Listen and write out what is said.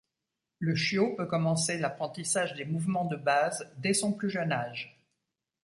Le chiot peut commencer l'apprentissage des mouvements de base dès son plus jeune âge.